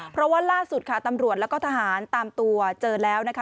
เพราะว่าล่าสุดค่ะตำรวจแล้วก็ทหารตามตัวเจอแล้วนะคะ